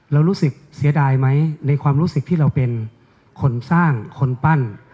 เรารู้สึกเสียดายไหมในความรู้สึกที่เราเป็นคนสร้างคนปั้น